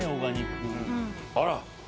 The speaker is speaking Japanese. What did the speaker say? あら。